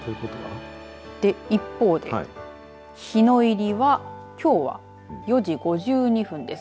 一方で、日の入りはきょうは４時５２分です。